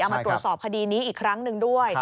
มาตรวจสอบคดีนี้อีกครั้งหนึ่งด้วย